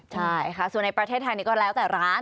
ใช่ค่ะส่วนในประเทศไทยนี้ก็แล้วแต่ร้าน